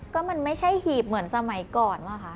ก็มันไม่ใช่หีบเหมือนสมัยก่อนป่ะคะ